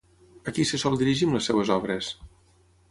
A qui se sol dirigir amb les seves obres?